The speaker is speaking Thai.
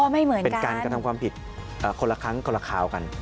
ไม่เหมือนเป็นการกระทำความผิดคนละครั้งคนละคราวกัน